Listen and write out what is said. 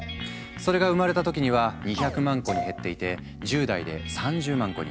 それが生まれた時には２００万個に減っていて１０代で３０万個に。